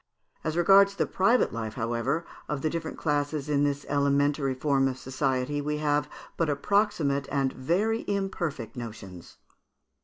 As regards the private life, however, of the different classes in this elementary form of society, we have but approximate and very imperfect notions.